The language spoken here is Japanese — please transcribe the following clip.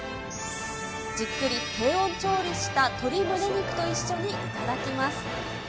じっくり低温調理した鶏むね肉と一緒に頂きます。